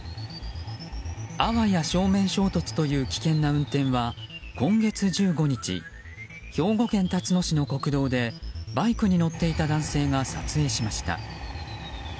あわや正面衝突という危険な運転は今月１５日兵庫県たつの市の国道でバイクに乗っていた男性が撮影しました。